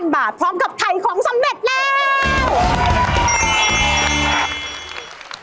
๒๕๐๐๐บาทพร้อมกับไถของสำเร็จแล้ว